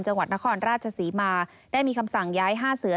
จังหวัดนครราชศรีมาได้มีคำสั่งย้าย๕เสือ